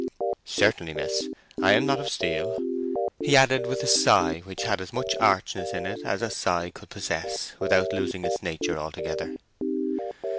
"Certainly, miss; I am not of steel." He added a sigh which had as much archness in it as a sigh could possess without losing its nature altogether.